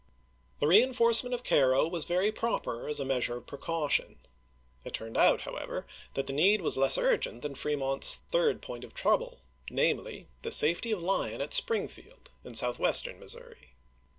The reenforcement of Cairo was very proper as a measure of precaution. It turned out, however, that the need was less urgent than Fremont's third point of trouble, namely, the safety of Lyon at Springfield, in southwestern Missouri.